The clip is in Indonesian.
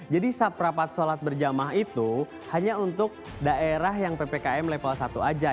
jadi sabrapat sholat berjamaah itu hanya untuk daerah yang ppkm level satu aja